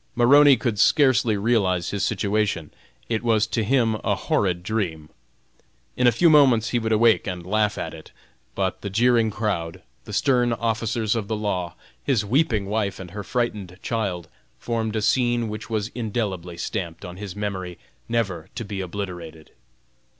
Maroney could scarcely realize his situation; it was to him a horrid dream. In a few moments he would awake and laugh at it. But the jeering crowd, the stern officers of the law, his weeping wife and her frightened child, formed a scene which was indelibly stamped on his memory never to be obliterated.